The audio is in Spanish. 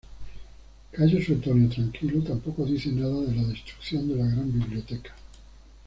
Cayo Suetonio Tranquilo tampoco dice nada de la destrucción de la Gran Biblioteca.